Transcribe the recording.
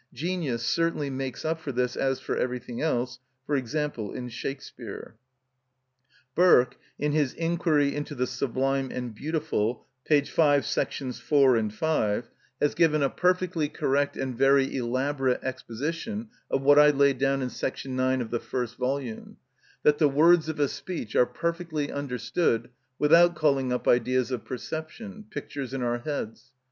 Genius certainly makes up for this as for everything else, for example in Shakespeare. Burke, in his "Inquiry into the Sublime and Beautiful," p. 5, § 4 and 5, has given a perfectly correct and very elaborate exposition of what I laid down in § 9 of the first volume, that the words of a speech are perfectly understood without calling up ideas of perception, pictures in our heads.